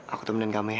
aku temenin kamu ya